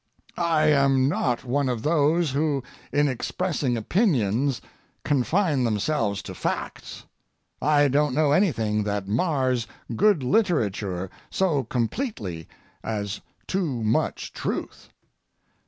I am not one of those who in expressing opinions confine themselves to facts. I don't know anything that mars good literature so completely as too much truth.